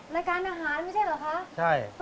รายการอาหารไม่ใช่เหรอคะใช่